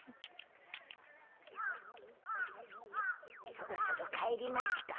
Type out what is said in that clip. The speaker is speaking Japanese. そろそろ帰りましゅか。